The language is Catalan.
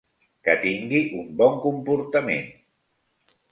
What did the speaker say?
Que tingui un bon comportament.